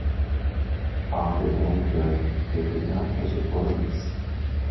Of the banker he could not catch a glimpse.